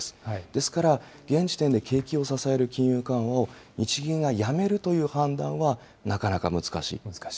ですから、現時点で景気を支える金融緩和を日銀がやめるという判断は、なかなか難しい。